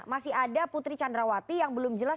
masih ada putri candrawati yang belum jelas